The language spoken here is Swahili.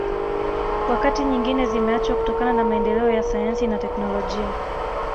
Wakati nyingine zimeachwa kutokana na maendeleo ya sayansi na teknolojia